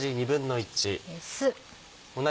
酢。